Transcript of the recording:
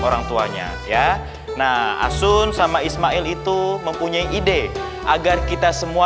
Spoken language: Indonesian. orang tuanya ya nah asun sama ismail itu mempunyai ide agar kita semua